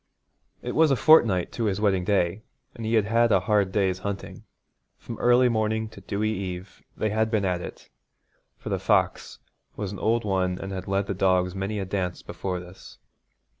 It was a fortnight to his wedding day, and he had had a hard day's hunting. From early morning to dewy eve they had been at it, for the fox was an old one and had led the dogs many a dance before this.